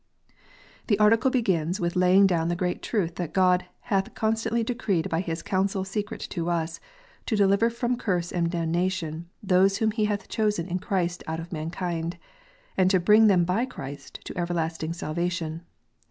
The Article begins with laying down the great truth that God "hath constantly decreed by His counsel secret to us, to deliver from curse and damnation those whom He hath chosen in Christ out of mankind, and to bring them by Christ to everlasting salvation."